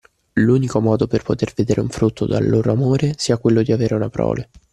L'unico modo per poter vedere un frutto dal loro amore sia quello di avere una prole.